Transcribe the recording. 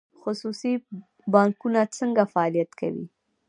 خصوصي بانکونه څنګه فعالیت کوي؟